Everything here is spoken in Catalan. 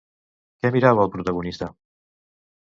Què mirava el protagonista?